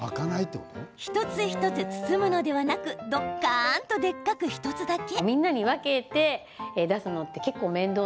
一つ一つ包むのではなくドッカンと、でっかく１つだけ。